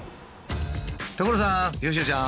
所さん佳乃ちゃん。